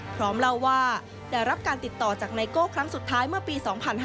พร้อมเล่าว่าได้รับการติดต่อจากไนโก้ครั้งสุดท้ายเมื่อปี๒๕๕๙